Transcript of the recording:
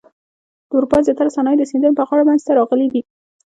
د اروپا زیاتره صنایع د سیندونو پر غاړه منځته راغلي دي.